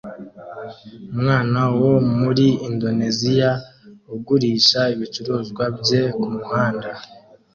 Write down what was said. Umwana wo muri Indoneziya ugurisha ibicuruzwa bye kumuhanda